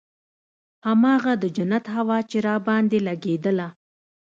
هماغه د جنت هوا چې راباندې لګېدله.